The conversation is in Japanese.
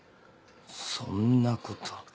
そんなこと。